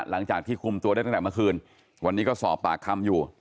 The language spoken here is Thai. หลังจากที่คุมตัวได้ตั้งแต่เมื่อคืนวันนี้ก็สอบปากคำอยู่